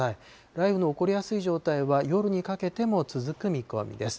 雷雨の起こりやすい状態は夜にかけても続く見込みです。